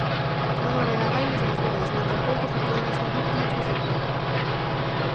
Non haberá bailes nas vodas, nin tampouco se poderán servir pinchos de pé.